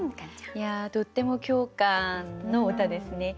いやとっても共感の歌ですね。